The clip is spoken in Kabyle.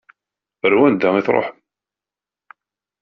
Ar wanda i tṛuḥem?